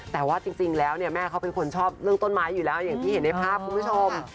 แต่ว่าจริงแล้วเนี่ยแม่เขาเป็นคนชอบเรื่องต้นไม้อยู่แล้วอย่างที่เห็นในภาพคุณผู้ชม